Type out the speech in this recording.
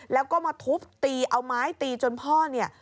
แล้วก็มาทุบตีเอาไม้ตีจนพ่อเนี่ย